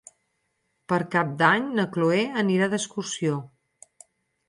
Per Cap d'Any na Chloé anirà d'excursió.